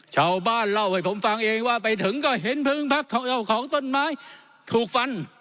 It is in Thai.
ชาวบ้านเล่าให้ผมฟังเองว่าไปถึงก็เห็นเพลิงพักเจ้าของต้นไม้ถูกฟัน